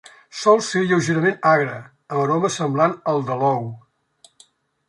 Sol ser lleugerament agre, amb aroma semblant al de l'ou.